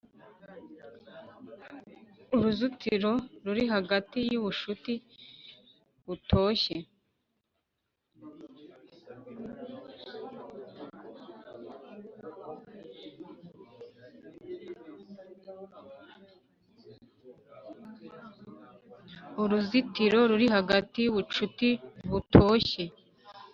uruzitiro ruri hagati yubucuti butoshye.